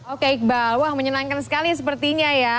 oke iqbal wah menyenangkan sekali sepertinya ya